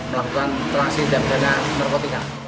melakukan transisi dapdana narkotika